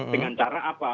dengan cara apa